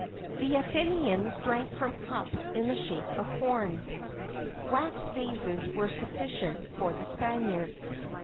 [XXVII 15] The Athenians drank from cups in the shape of horns.[XXVII 16] Wax vases were sufficient for the Spaniards.